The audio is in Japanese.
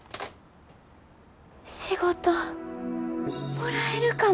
仕事もらえるかも。